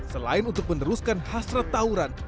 selain untuk meneruskan hasrat tauran